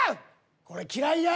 これ嫌いや！